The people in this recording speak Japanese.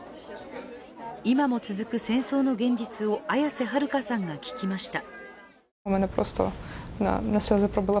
今も続く戦争の現実を綾瀬はるかさんが聞きました。